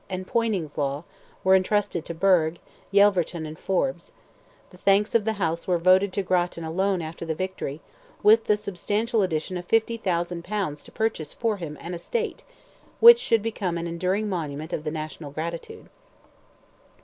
and Poyning's law, were entrusted to Burgh, Yelverton, and Forbes; the thanks of the House were voted to Grattan alone after the victory, with the substantial addition of 50,000 pounds to purchase for him an estate, which should become an enduring monument of the national gratitude.